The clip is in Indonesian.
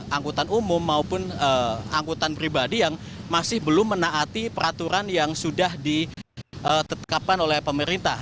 angkutan umum maupun angkutan pribadi yang masih belum menaati peraturan yang sudah ditetapkan oleh pemerintah